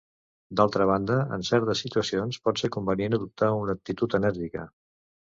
D'altra banda, en certes situacions pot ser convenient adoptar una actitud enèrgica.